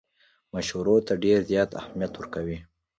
مشورو ته ډېر زیات اهمیت ورکوي.